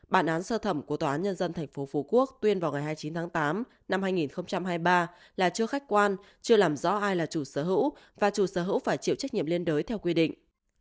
bản án sơ thẩm của tòa án nhân dân tp phú quốc tuyên vào ngày hai mươi chín tháng tám năm hai nghìn hai mươi ba là chưa khách quan chưa làm rõ ai là chủ sở hữu và chủ sở hữu phải chịu trách nhiệm liên đới theo quy định